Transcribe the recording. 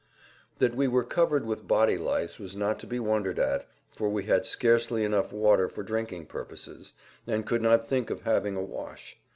That we were covered with body lice was not to be wondered at, for we had scarcely enough water for drinking purposes, and could not think of having a wash.